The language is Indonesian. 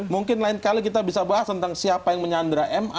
mungkin lain kali kita bisa bahas tentang siapa yang menyandra ma